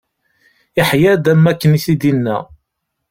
Iḥya-d, am wakken i t-id-inna.